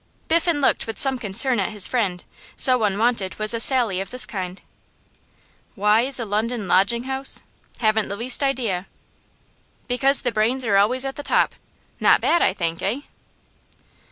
Biffen looked with some concern at his friend, so unwonted was a sally of this kind. 'Why is a London lodging house ? Haven't the least idea.' 'Because the brains are always at the top. Not bad, I think, eh?